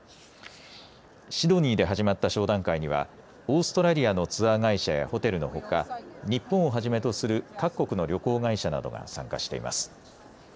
シドニーで始まった商談会には、オーストラリアのツアー会社やホテルのほか、日本をはじめとする各国の旅行会社などが参加しています。